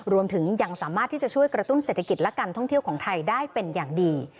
รวมถึงยังสามารถที่จะช่วยกระตุ้นเศรษฐกิจและการท่องเที่ยวของไทยได้เป็นอย่างดี